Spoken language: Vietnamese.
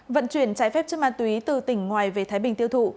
vận chuyển trái phép chất ma túy từ tỉnh ngoài về thái bình tiêu thụ